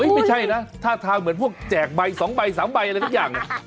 ไม่ใช่นะท่าทางเหมือนพวกแจกใบ๒ใบ๓ใบอะไรสักอย่าง